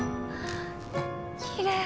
きれい。